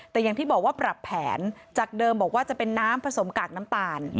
แต่อย่างที่บอกว่าปรับแผนจากเดิมบอกว่าจะเป็นน้ำผสมกากน้ำตาล